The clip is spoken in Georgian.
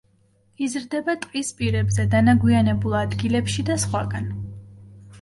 იზრდება ტყის პირებზე, დანაგვიანებულ ადგილებში და სხვაგან.